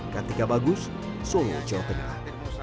ketika bagus solo jawab penyelamat